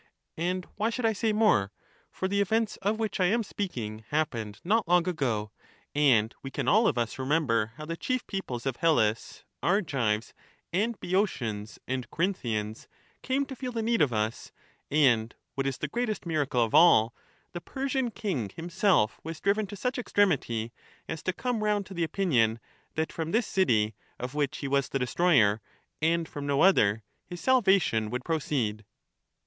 And why should I say more? for the events of which I am speaking happened not long ago and we can all of us remember how the chief peoples of Hellas, Argives and Boeotians and Corinthians, came to feel the need of us, and, what is the greatest miracle of all, the Persian king himself was driven to such extremity as to come round to the opinion, that from this city, of which he was the destroyer, and from no other, his salvation would proceed.